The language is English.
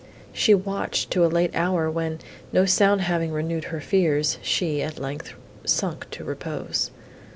She watched to a late hour, when, no sound having renewed her fears, she, at length, sunk to repose.